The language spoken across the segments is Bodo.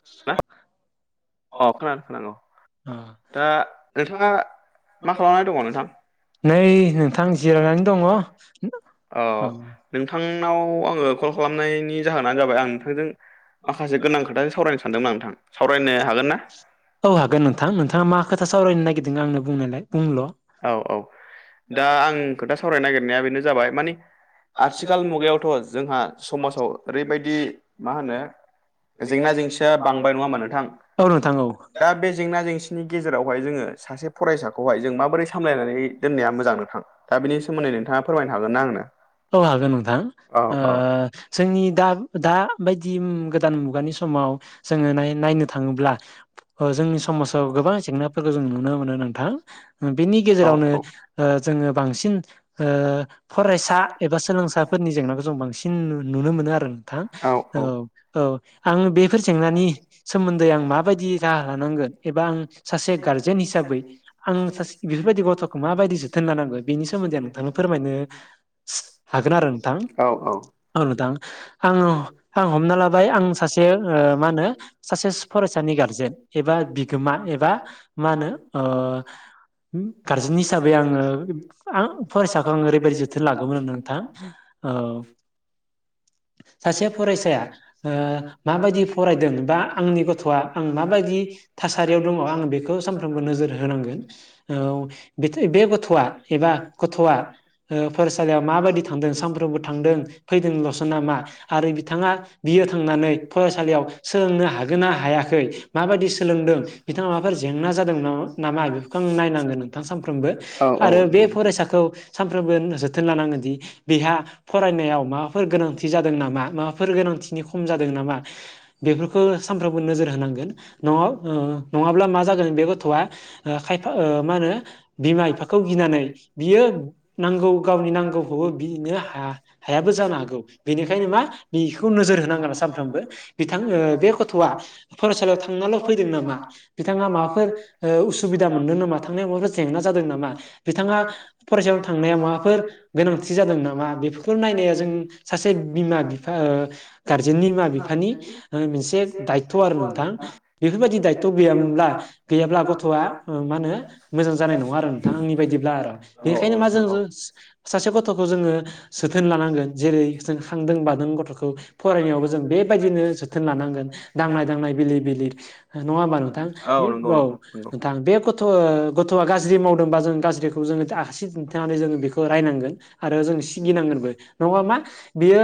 खोनादोंना? औ खोनादो खोनादो। [unintelligible] मा खालामनानै दङ नोंथां नै नोंथां जि- रायनानै दङ। अ नोंथांनाव आङो कल खालामनायनि जाहोनानो जाबाय आं नोंथांजों माखासे गोनां खोथासों सावरायनो सानदोंमोन नोंथां। सावरायनो हागोनना? औ हागोन नोंथां नोंथाङा मा खोथा सावरायनो नागिरदों आंनो बुंनायलाय बुंल' औ औ दा आं खोथा सावरायनो नागिरनाया बेनो जाबाय मानि आथिखाल मुगायावथ' जोंहा समाजाव ओरैबायदि मा होनो जेंना जेंसिया बांबाय नङामा नोंथां औ नोंथां औ दा बे जेंना जेंसि नि गेजेरावहाय जोङो सासे फरायसाखौह जों माबोरै सामलायनानै दोननाया मोजां नोंथां दा बेनि सोमोन्दै नोंथाङा फोरमायनो हागोन ना आंनो। औ हागोन नोंथां औ ओ औ जोंनि दा दा बायदि गोदान मुगानि समाव जोङो नाय नायनो थाङोब्ला अजोंनि समाजाव गोबां जेंनाफोरखौ जों नुनो मोनो नोंथां बेनि औ गेजेरावनो ओ जोङो बांसिन ओ फरायसा बा सोलोंसाफोरनि जेंनाखौ जों बांसिन नुनो मोनो आरो नोंथां औ औ। आं बेफोर जेंनानि सोमोन्दै आं माबायदि राहा लानांगोन एबा आं सासे गार्जेन हिसाबै आं सासे बेफोरबायदि गथ'खौ माबायदि जोथोन लानांगौ बेनि सोमोन्दै आं नोंथां फोरमायनो हागोन आरो नोंथां औ नोंथां आङो आं हमना लाबाय आं सासे बेयो ओ मा होनो सासे फरायसानि गारजेन एबा बिगोमा एबा मा होनो ओ गारजेन हिसाबै आङो आं फरायसाखौ आङो ओरैबायदि जोथोन लागोन नंगौना नङा नोंथां औ सासे फरायसाया ओ माबायदि फरायदों बा आंनि गथ'आ आं माबायदि थासारियाव दङ आं बेखौ सानफ्रोमबो नोजोर होनांगोन औ बेथ बे गथ'आ एबा गथ'आ ओ फरायसालियाव माबायदि थांदों सानफ्रोमबो थांदों फैदोंलस नामा आरो बिथाङा बियो थांनानै फरायसालियाव सोलोंनो हागोन ना हायाखै माबायदि सोलोंदों बिथाङा माबाफोर जेंना जादों ना नामा बेफोरखौ आं नायनांगोन सानफ्रोमबो औ आरो बे फरायसाखौ सानफ्रोमबो जोथोन लानांगोदि बेहा फरायनायाव माबाफोर गोनांथि जादों नामा माबाफोर गोनांथिनि खम जादों नामा बेफोरखौ सानफ्रोमबो नोजोर होनांगोन न नङाब्ला मा जागोन बे गथ'आ ओ खायफा ओ मा होनो बिमा बिफाखौ गिनानै बियो नांगौ नो हा हायाबो जानो हागौ बेनिखायनो मा बेखौ नोजोर होनांगोन सानफ्रामबो बिथां ओ बे गथ'आ फरायसालियाव थांनाल' फैदों नामा बिथाङा माबाफोर ओ उसुबिदा मोनदों नामा थांनायाव माबाफोरा जेंना जादों नामा बिथाङा फरायसायावनो थांनाया मा बाफोर गोनांथि जादों नामा बेफोरखौ नायनाया जों सासे बिमा बिफा ओ गारजेननि बिमा बिफानि मोनसे दायथ' आरो नोंथां बेफोरबायदि दायथ' गैयामोनब्ला गैयाब्ला गथ'आ मा होनो मोजां जानाय नङा आरो नोंथां आंनि बायदिब्ला आरो औ बेनिखायनो मा जों जो सासे गथ'खौ जोङो जोथोन लानांगोन जेरै जों खांदों बादों गथ'खौ फरायनायावबो जों बेबायदिनो जोथोन लानांगोन दांनाय दांनाय बिलिर बिलिर नङा होमबा नोंथां। औ नंगौ औ नोंथां नंगौ नोंथां बे गथ' गथ'आ गाज्रि मावदोंबा जोों गाज्रिखौ जोङो आसि दिन्थनानै जोङो बेखौ नायनांगोन आरो जों सिगिनांगोनबो नङाबा बेयो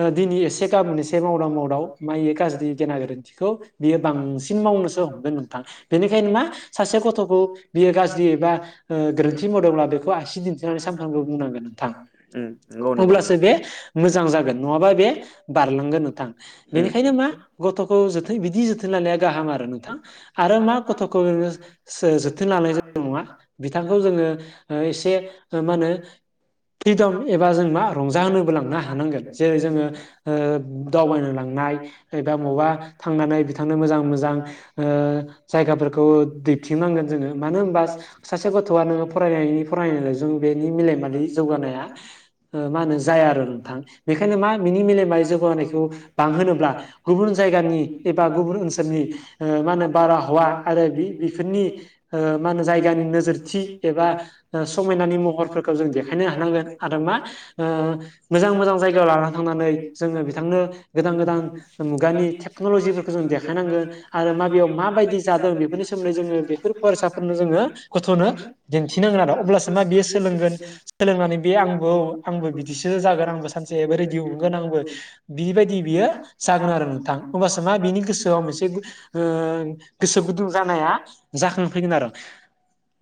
ओ दिनै एसे गाबोन एसे एसे मावदां मावदाव माइ गाज्रि गेना गोरोन्थिखौ बियो बांसिन मावनोसो हमदों नोंथाङा। बेनिखायनो मा सासे गथ'खौ बियो गाज्रि एबा उम गोरोन्थि मावदोंब्ला बेखौ आसि दिन्थिनानै बुंनांगोन नोंथां। नंगौ अब्लासो बे मोजां जागोन नङाबा बे बारलांगोन नोंथां। उम बेखायनो मा गथ'खौ जोथै बिदि जोथोन लानाया गाहाम आरो नोंथां आरो मा गथ'खौ जो जोथोन लानाय नङा बिथांखौ जोङो ओ एसे मा होनो फ्रिदम एबा जों मा रंजाहोनोबो लांनो हानांगोन जेरै जोङो ओ दावबायनो लांनाय एबा मबावबा थांनानै बिथांनो मोजां मोजां ओ जायगाफोरखौ दैबथिंनांगोन जोङो मानो होनबा सासे गथ'आ नोङो फरायनायनि फरायनायल'जों बेनि मिलेमारि जौगानाया ओ मा होनो जाया आरो नोंथां। बेखायनो मा बिनि मेलेमारि जौगानायखौ बांहोनोब्ला गुबुन जायगानि एबा गुबुन ओनसोल फोरनि ओ मा होनो बारहावा आरो बे बेफोरनि ओ मा होनो जायगानि नोजोरथि एबा ओ समायनानि म हरफोरखौ जों देखायनो हानांगोन आरो मा ओ मोजां मोजां जायगायाव लानानै थांनानै जोङो बिथांनो गोदान गोदान मुगानि टेक्न'लजिफोरखौ जों देखाय नांगोन आरो माबेयाव माबायदि जादों बेफोरनि सोमोन्दै जोङो बेफोर फरायसाफोरनो जोङो गथ'नो दिन्थिनांगोन आरो अब्लासो मा बेयो सोलों गोन सोलोंनानै बे आंबो आंबो बिदिसो जागोन आंबो सानसे आंबो ओरै दिहुनगोन आंबो बिबायदि बियो जागोन आरो नोंथां, होमबासो मा बिनि औ गोसोआव मोनसे [unintelligible] ओ गोसो गुदुं सुबुं जानाया जागाया जाखांफैगोन आरो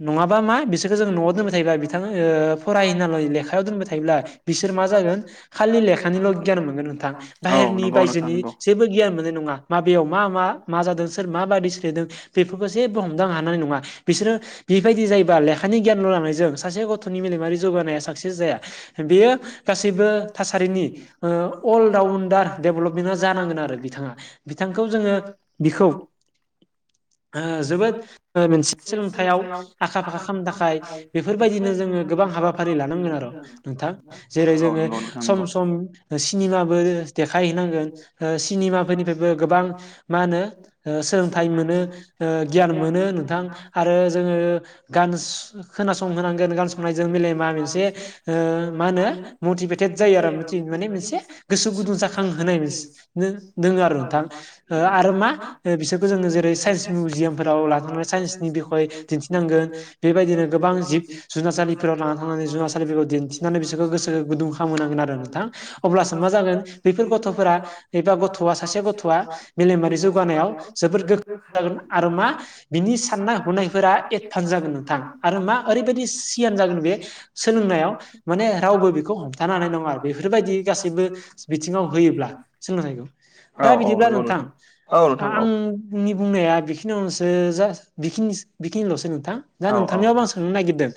नङाबा मा बिसोरखौ जों न'आव दोनबाय थायोबा ओ फराय होनानैल' लेखायाव दोनबाय थायोब्ला बिसोर मा जागोन, खालि लेखानिल' गियान मोनगोन नोंथां। औ बाहेरनि नंगौ नोंथां बायजोनि नंगौ जेबो गियान मोननाय नङा। माबेयाव मा मा मा जादों सोर मा बादि सोलिदों बेफोरखौ जेबो हमदांनो हानाय नङा बिसोरो बेबायदि जायोबा लेखानि गियानल' लानायजों सासे गथ'नि मेलेमारि जौगानाया साक्सेस जाया, बेयो गासैबो थासारिनि ओ अल राउन् दा डेभलपमेन्टआ जानांगोन आरो बिथाङा, बिथांखौ जोङो बिखौ [unintelligible] ओ जोबोद मोनसे सोलोंथाइयाव [unintelligible] बेफोरबायदिनो जोङो गोबां हाबाफारि लानांगोन आरो नोंथां। जेरै औ जोङो नंगौ नोंथां सम नंगौ सम सिनेमाबो देखायहैनांगोन ओ सिनेमाफोरनिफ्रायबो गोबां मा होनो ओ सोलोंथाइ मोनो ओ गियान मोनो नोंथां। हा जोङो गान स खोनासं संहो नांगोन गान संनायजों मेलेमा मोनसे ओ मा होनो मटिभेटेद जायो आरो, मिथि माने मोनसे गोसो गुदुं जाखां होनाय मोन दोङो आरो नोंथां। आरो मा ओ बिसोरखौ जोङो जेरै साइन्स मिउजियामफोराव लांनानै साइन्सनि बिखय दिन्थिनांगोन बेबायदिनो गोबां जिब जुनारसालिफोराव लानानानै थांनानै जुनारसालिफोरखौ दिन्थिनानै बिसोरखौ गोसो गुदुं खालामहोनांगोन आरो नोंथां। अब्लासो मा जागोन बैफोर गथ'फोरा एबा गथ'आ सासे गथ'आ मेलेमारि जौगानायाव जोबोद गो ख्रों जागोन आरो मा बिनि साननाय हनायफोरा एडभान्स जागोन नोंथां। आरो मा ओरैबायदि सियान जागोन बे सोलोंनायाव माने रावबो बेखौ हमथानो हानाय नङा। बेफोरबायदि गासैबो बिथिङाव होयोब्ला सोलोंथाइखौ औ दा औ बिदिब्ला नंगौ नोंथां औ नोंथां आ-आं औ आंनि बुंनाया बेखिनियावनोसो जा बेखिनि-बेखिनिल'सो नोंथां। दा औ नोंथांनियावबो आं सों नो नागिरदों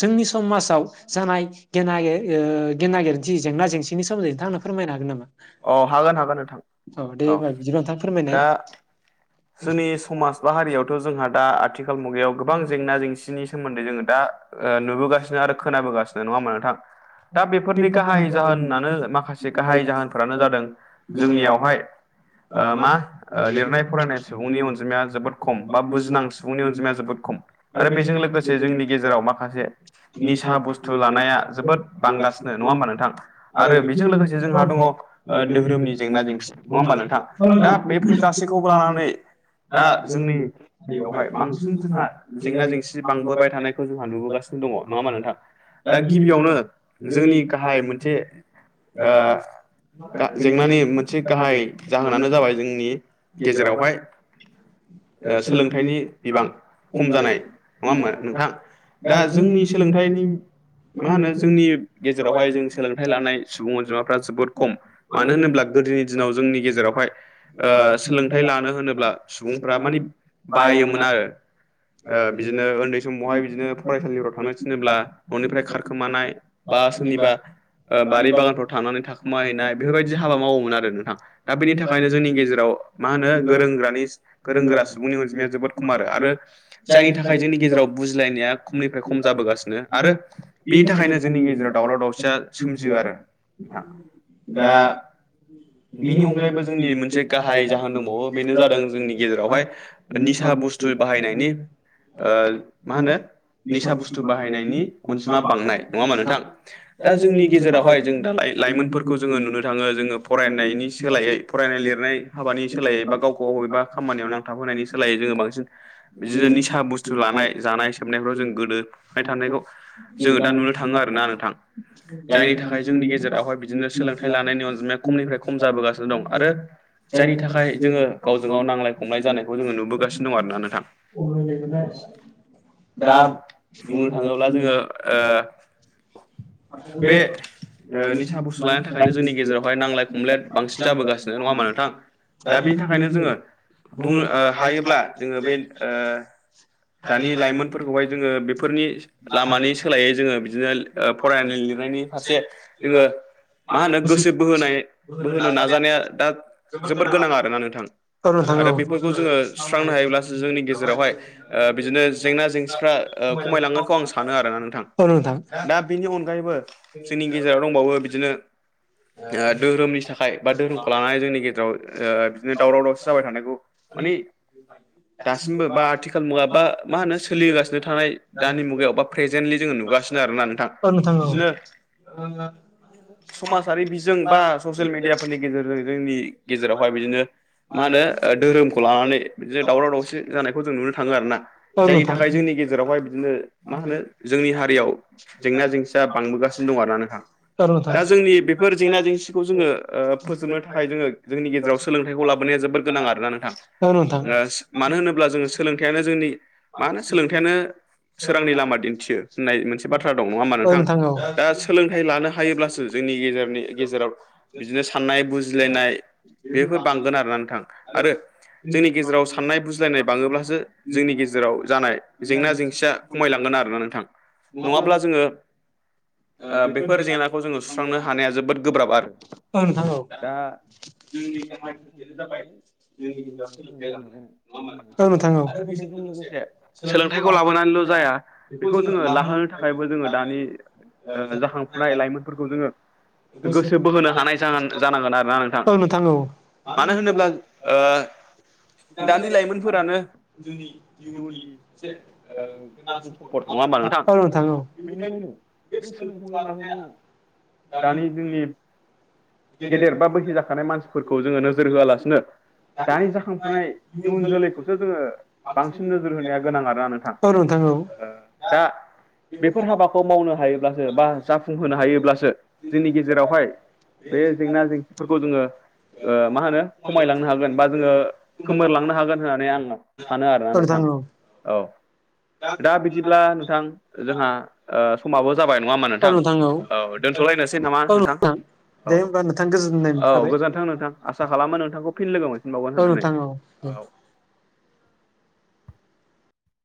जोंनि समाजाव जानाय गेना गे ओ गेना गोरोनथि जेंना जेंसिनि सोमोनदै नोंथांं आंनो फोरमायनो हागोन नामा? औ नोंथां। औ दे होनोमबा बिदिबा नोंथां फोरमायनाय। दा जोंनि समाज बा हारियावथ' जोंहा दा आथिखाल मुगायाव गोबां जेंना जेंसिनि सोमोन्दै जोङो दा ओ नुबोगासिनो आरो खोनाबोगासिनो नङा होनबा नोंथां। दा बेफोरनि गाहाइ जाहोनानो माखासे गाहाइ जाहोनफ्रानो जादों जोंनियावहाय ओ मा ओ लिरनाय फरायनाय सुबुंनि अनजिमाया जोबोद खम बा बुजिनां सुबुंनि अनजिमाया जोबोद खम। आरो बेजों लोगोसे जोंनि गेजेराव माखासे निसा बुस्थु लानाया जोबोद बांगासिनो नङा होमबा नोंथां आरो बेजों लोगोसे जोंहा दङ' ओ धोहोरोमनि जेंना जेंसि नङा होमबा नोंथां? दा बेफोर गासैखौबो लानानै दा जोंनि बेवहाय बांसिन जोंहा जेंना जेंसि बांबोबाय थानायखौ जोंहा नुबोगासिनो दङ' नङा होनबा नोंथां? दा गिबियावनो जोंनि गाहाय मोनसे ओ जेंनानि मोनसे गाहाय [unintelligible] ओ जाहोनानो जाबाय [unintelligible] जोंनि गेजेराव बा गेजेरावहाय ओ सोलोंथाइनि बिबां खम जानाय नङा होनबा नोंथां दा जोंनि सोलोंथाइनि मा होनो जोंनि गेजेरावहाय जों सोलोंथाइ लानाय सुबुं अनजिमाफ्रा जोबोद खम मानो होनोब्ला गोदोनि दिनाव जोंनि गेजेरावहाय ओ सोलोंथाइ लानो होनोब्ला सुबुंफ्रा मानि बायोमोन आरो बिदिनो उन्दै समावहाय बिदिनो फरायसालिफोराव थांनो थिनोोबब्ला न'निफ्राय खारखोमानाय बा सोरनिबा ओ बारि बागानफ्राव थांनानै थाखोमा हैनाय बेफोरबायदि हाबा मावोमोन आरो नोंथां दा बेनि थाखायनो जोंनि गेजेराव मा होनो गोरों गोरानि गोरों गोरा सुबुंनि अनजिमाया जोबोद खमारो आरो जायनि थाखाय जोंनि गेजेराव बुजिलायनाया खमनिफ्राय खम जाबोगासिनो आरो बिनि थाखायनो जोंनि गेजेराव दावराव दावसिया सोमजियो आरो नां दा बिनि अनगायैबो जोंनि मोनसे गाहाय जाहोन दंबावो बेनो जादों जोंनि गेजेराव बेयावहाय निसा बुस्थु बाहायनायनि ओ मा होनो निसा बुस्थु बाहायनायनि अनजिमा बांनाय नङा होनबा नोंथां दा जोंनि गेजेरावहाय जों दालाय लाइमोनफोरखौ जोङो नुनो थाङो जोङो फरायनायनि सोलायै फरायनाय लिरनाय हाबानि सोलायै बा गावखौ अबेबा खामानियाव नांथाबहोनायनि सोलायै जोङो बांसिन बिदिनो निसा बुस्थु लानाय जानाय सोबनायफ्राव जों गोदोबाय थानायखौ जोङो दा नुनो थाङो आरोना नोंथां जायनि थाखाय जोंनि गेजेरावहाय बिदिनो सोलोंथाइ लानायनि अनजिमा खमनिफ्राय खम जाबोगासिनो दं आरो जायनि थाखाय जोङो गावजों गाव नांलानाय खमलाय जानायखौ जोङो नुबोगासिनो दं आरोना नोंथां दा बुंनो थाङोब्ला जोङो ओ बे ओ निसा बुस्थु लानायनि थाखायनो जोंनि गेजेरावहाय नांलाय खमलाय बांसिन जाबोगासिनो नङा होनबा नोंथां दा बेनि थाखायनो जोङो बुंऔ हायोब्ला जोङो बे ओ दानि लाइमोनफोरखौहाय जोङो बेफोरनि लामानि सोलायै जोङो बिदिनो ओ फरायनाय लिरनायनि फारसे जोङो मा होनो गोसो बोहोनाय बोहोनो नाजानाया दा जोबोद गोनां आरोना नोंथां औ नोंथां औ आरो खमायलांनोखौ आं बेफोरखौ जोङो सुस्रांनो हायोब्लासो जोंनि गेजेरावहाय बिदिनो जेंना जेंसिफ्रा ओ खमायलांगोनखौ आं सानो आरोना नोंथां दा बेनि अनगायैबो जोंनि गेजेराव दंबावो बिदिनो जोंहा धोरोमनि थाखाय बा धोरोमखौ लानानै जोंनि गेजेराव ओ बिदिनो दावराव दावसि जाबाय थानायखौ माने दासिमबो बा आथिखाल मुगा बा मा होनो सोलिगासिनो थानाय दानि मुगायाव बा प्रेजेन्टलि जोङो नुगासिनो आरोना नोंथां बिदिनो ओं [unintelligible] समाजारि बिजों बा ससियेल मिडियाफोरनि गेजेरजों जोंनि गेजेरावहाय बिदिनो मा होनो धोरोमखौ लानानै बिदिनो दावराव दावसि जानायखौ जों नुनो थाङो आरोना औ जायनि नोंथां थाखाय जोंनि गेजेरावहाय बिदिनो मा होनो जोंनि हारियाव जेंना जेंसिया बांबोगासिनो दं आरो ना नोंथां दा जोंनि [unintelligible] बेफोर जेंना जेंसिखौ जोङो ओ फोजोबनो थाखाय जोङो जोंनि गेजेराव सोलोंथाइखौ लाब बोनाया जोबोर गोनां आरोना नोंथां औ नोंथां ओ मानो होनोब्ला जोङो सोलोंथाइयानो जोंनि मा होनो सोलोंथाइयानो सोरांनि लामा दिन्थियो होननाय मोनसे बाथ्रा दं नङा होमा नोंथां दा सोलोंथाइ लानो हायोब्लासो जोंनि गेजेरनि गेजेराव बिदिनो साननाय बुजिलायनाय बेफोर बांगोन आ नोंथां आरो जोंनि गेजेराव साननाय बुजिलायनाय बाङोब्लासो जोंनि गेजेराव जानाय जेंना जेंसिया खमायलांगोन औ आरोना नोंथां नङाब्ला जोङो बेफोर जेंनाखौ जोङो सुस्रांनो हानाया जोबोद गोब्राब आरो औ नोंथां औ। दा [unintelligible] बेनो जाबाय जोंनि गेजेराव सोलोंथाइ लाबोनाय नंङा होनबा नोंथां आरो बेजों लोगोसे सोलोंथाइखौ लाबोनानैल' जाया बेखौ जोङो लाहोनो थाखायबो जोङो दानि ओ जाखांफुनाय लाइमोनफोरखौ जोङो गोसो बोहोनो हानाय जाहोन-जानांगोन आरोना नोंथां। नोंथा औ मानो होनोब्ला ओ दानि लाइमोनफोरानो इयुनि मोनसे ओ गोनांथि सम्पट नङा होनबा नोंथां औ औ बेनिखायनो बे सोलोंथाइखौ लाहोनाया दानि जोंनि गेदेर बा बैसो जाखानाय मानसिफोर खौ जोङो नोजोर होआलासिनो दानि जाखांफुनाय इयुन जोलैखौसो जोङो बांसिन नोजोर होनाया गोनां आरोना नोंथां। औ नोंथां औ ओ दा बेफोर हाबाखौ मावनो हायोब्लासो बा जाफुंहोनो हायोब्लासो जोंनि गेजेरावहाय बे जेंना जेंसिफोरखौ जोङो ओ मा होनो खमायलांनो हागोन बा जोङो खोमोरलांनो हागोन होननानै आं सानो आरोना औ नोंथां औ औ दा बिदिब्ला नोंथां जोंहा ओ समाबो जाबाय नङा होनबा नोंथां औ दोन्थ'लायनोसै नामा नोंथां। औ दे होनबा नोंथां गोजोनदों औ गोजोन्थों नोंथां आसा खालामो नोंथांखौ फिन लोगो मोन औ नोंथां औ दे